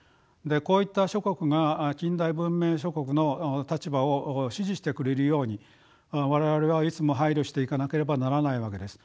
こういった諸国が近代文明諸国の立場を支持してくれるように我々はいつも配慮していかなければならないわけです。